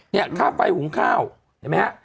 ค่าไฟหุงข้าวเห็นไหมฮะ